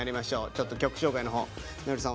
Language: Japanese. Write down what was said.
ちょっと曲紹介のほう如恵留さん